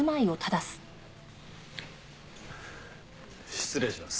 失礼します。